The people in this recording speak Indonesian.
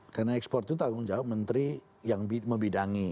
karena ekspor itu tanggung jawab menteri yang membidangi